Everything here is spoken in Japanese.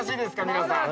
皆さん。